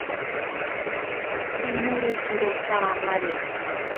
Pimorekero paamari.